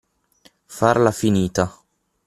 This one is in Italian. Farla finita.